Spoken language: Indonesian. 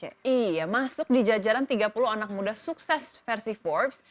iya masuk di jajaran tiga puluh anak muda sukses versi forbes